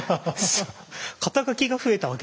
肩書が増えたわけですね。